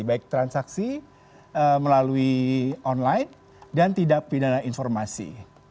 baik transaksi melalui online dan tindak pidana informasi